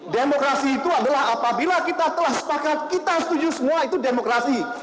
demokrasi itu adalah apabila kita telah sepakat kita setuju semua itu demokrasi